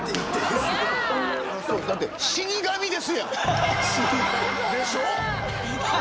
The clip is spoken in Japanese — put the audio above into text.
だって死神ですやん。